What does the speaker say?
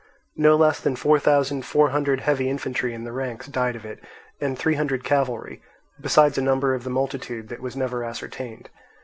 No less than four thousand four hundred heavy infantry in the ranks died of it and three hundred cavalry, besides a number of the multitude that was never ascertained.